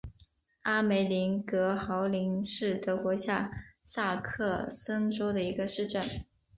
阿梅林格豪森是德国下萨克森州的一个市镇。